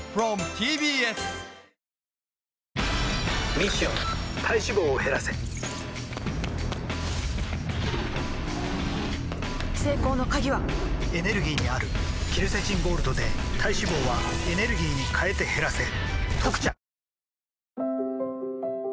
ミッション体脂肪を減らせ成功の鍵はエネルギーにあるケルセチンゴールドで体脂肪はエネルギーに変えて減らせ「特茶」